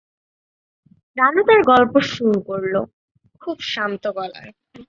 রানু তার গল্প শুরু করল খুব শান্ত গলায়।